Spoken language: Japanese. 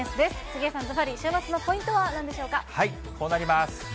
杉江さん、ずばり週末のポイントこうなります。